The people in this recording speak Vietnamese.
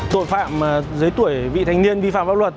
tội phạm dưới tuổi vị thanh niên vi phạm pháp luật